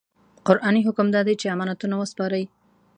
قرآني حکم دا دی چې امانتونه وسپارئ.